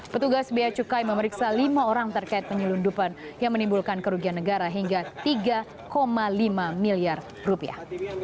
petugas bea cukai memeriksa lima orang terkait penyelundupan yang menimbulkan kerugian negara hingga tiga lima miliar rupiah